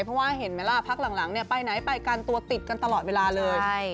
เพราะว่าเห็นไหมล่ะพักหลังเนี่ยไปไหนไปกันตัวติดกันตลอดเวลาเลย